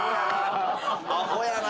アホやなぁ。